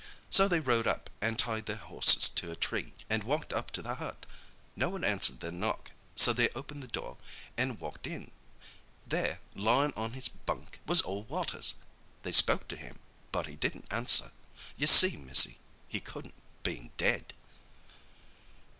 So they rode up and tied their horses to a tree and walked up to the hut. No one answered their knock, so they opened the door, an' walked in. There, lyin' on his bunk, was ol' Waters. They spoke to him, but he didn't answer. You see, missy, he couldn't, bein' dead."